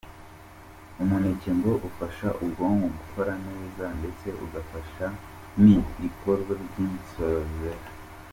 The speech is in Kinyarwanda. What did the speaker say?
Umuneke ngo ufasha ubwonko gukora neza ndetse ugafasha mi ikorwa ry’insoro zera.